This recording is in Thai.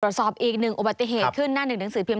ตรวจสอบอีกหนึ่งอุบัติเหตุขึ้นหน้าหนึ่งหนังสือพิมพ